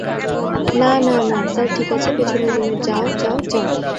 না, না, না, স্যার ঠিক আছে পিছনের রুমে যাও, যাও, যাও।